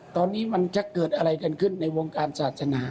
ตอนนี้มันจะเกิดอะไรกันขึ้นในวงการศาสนา